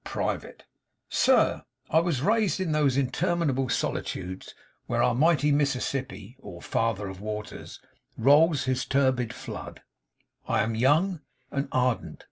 '(Private). 'Sir I was raised in those interminable solitudes where our mighty Mississippi (or Father of Waters) rolls his turbid flood. 'I am young, and ardent.